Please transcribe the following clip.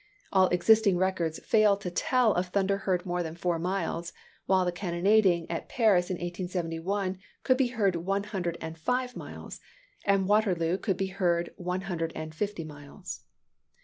All existing records fail to tell of thunder heard more than four miles; while the cannonading at Paris in 1871 could be heard one hundred and five miles; and Waterloo could be heard one hundred and fifty miles.